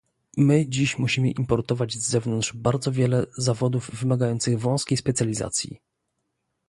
My dziś musimy importować z zewnątrz bardzo wiele zawodów wymagających wąskiej specjalizacji